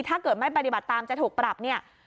ถ้าเกิดไม่ปฏิบัติตามจะถูกปรับเนี่ย